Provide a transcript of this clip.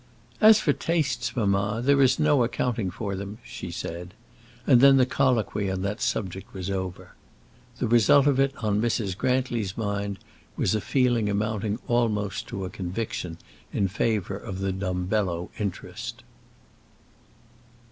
"As for tastes, mamma, there is no accounting for them," she said; and then the colloquy on that subject was over. The result of it on Mrs. Grantly's mind was a feeling amounting almost to a conviction in favour of the Dumbello interest.